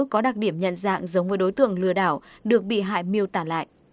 có đặc điểm nhận dạng giống với đối tượng lừa đảo được bị hại miêu tả lại